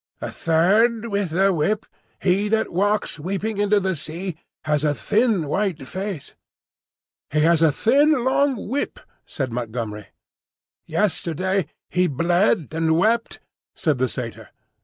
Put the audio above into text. "The Third with the Whip, he that walks weeping into the sea, has a thin white face." "He has a thin long whip," said Montgomery. "Yesterday he bled and wept," said the Satyr.